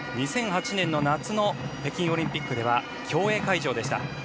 ２００８年の夏の北京オリンピックでは競泳会場でした。